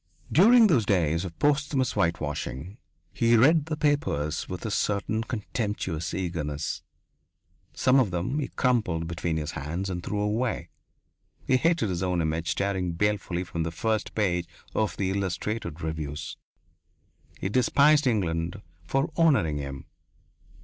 During those days of posthumous whitewashing he read the papers with a certain contemptuous eagerness. Some of them he crumpled between his hands and threw away. He hated his own image, staring balefully from the first page of the illustrated reviews. He despised England for honouring him.